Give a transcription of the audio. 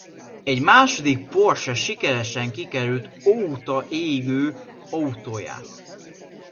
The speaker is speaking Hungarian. Egy másik Porsche sikeresen kikerült Óta égő autóját.